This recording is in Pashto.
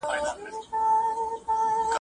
زما ګوته د اسمان لورته اوږده وه